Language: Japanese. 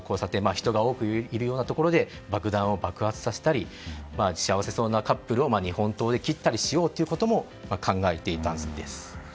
人が多くいるようなところで爆弾を爆発させたり幸せそうなカップルを日本刀で切ったりしようということも考えていたんです。